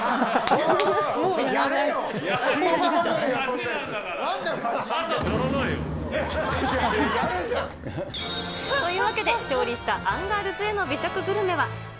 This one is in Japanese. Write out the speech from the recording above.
やらないと。というわけで、勝利したアンガールズへの美食グルメは。